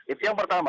itu yang pertama